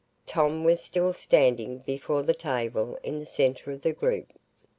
Tom was still standing before the table in the centre of the group.